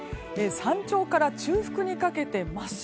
山頂から中腹にかけて真っ白。